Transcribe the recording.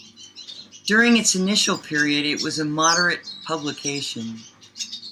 During its initial period it was a moderate publication.